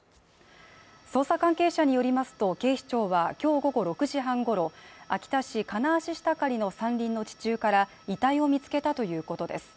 捜査関係者によりますと、警視庁は今日午後６時半ごろ、秋田市金足下刈の山林の地中から遺体を見つけたということです。